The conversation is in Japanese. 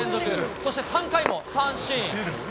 そして３回も三振。